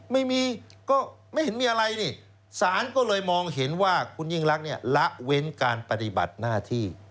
ไม่มีก็ไม่เห็นมีอะไรนี่สารก็เลยมองเห็นว่าคุณยิ่งรักเนี่ยละเว้นการปฏิบัติหน้าที่